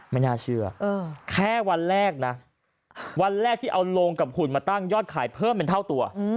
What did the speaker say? ไม่น่าเชื่อแค่วันแรกนะวันแรกที่เอาโลงกับหุ่นมาตั้งยอดขายเพิ่มเป็นเท่าตัว